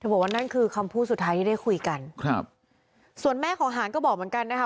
บอกว่านั่นคือคำพูดสุดท้ายที่ได้คุยกันครับส่วนแม่ของหานก็บอกเหมือนกันนะคะ